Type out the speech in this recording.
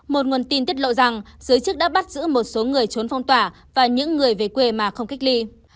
một nguồn tin tiết lộ rằng giới chức đã bắt giữ một số người trốn phong tỏa và những người về quê mà không cách ly